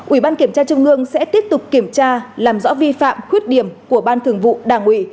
ủy ban kiểm tra trung ương sẽ tiếp tục kiểm tra làm rõ vi phạm khuyết điểm của ban thường vụ đảng ủy